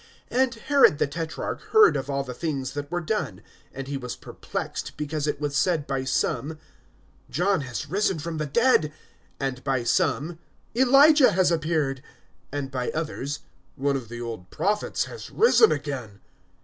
(7)And Herod the tetrarch heard of all the things that were done. And he was perplexed, because it was said by some: John has risen from the dead; (8)and by some: Elijah has appeared; and by others: One of the old prophets has risen again.